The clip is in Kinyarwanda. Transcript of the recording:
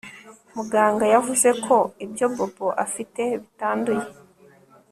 Muganga yavuze ko ibyo Bobo afite bitanduye